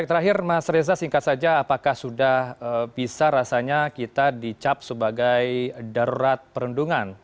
baik terakhir mas reza singkat saja apakah sudah bisa rasanya kita dicap sebagai darurat perlindungan